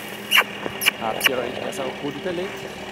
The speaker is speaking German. Habt ihr euch das auch gut überlegt?